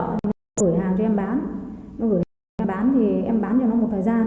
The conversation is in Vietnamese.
nó gửi hàng cho em bán nó gửi hàng cho em bán thì em bán cho nó một thời gian